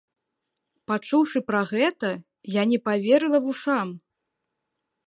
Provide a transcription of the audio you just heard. Пачуўшы пра гэта, я не паверыла вушам.